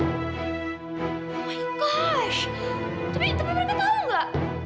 tapi dia suka